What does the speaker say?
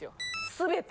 全て。